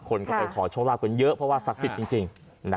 คนก็ไปขอโชคลาภกันเยอะเพราะว่าศักดิ์สิทธิ์จริง